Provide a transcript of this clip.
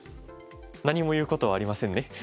何も言うことはありませんね。